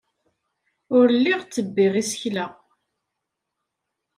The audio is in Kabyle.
Ur lliɣ ttebbiɣ isekla.